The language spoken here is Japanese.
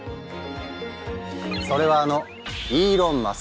それはあのイーロン・マスク。